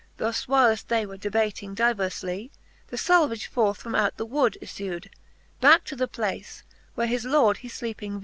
Thus whileft they were debating diverflie. The Salvage forth out of the wood iffew'd Backe to the place, whereas his Lord he fleeping vew'd.